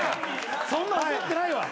・そんな怒ってないわ。